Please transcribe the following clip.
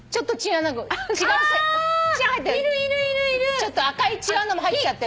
ちょっと赤い違うのも入っちゃってる。